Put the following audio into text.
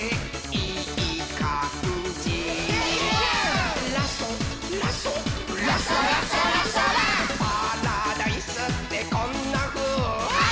「パラダイスってこんなふうーっ？」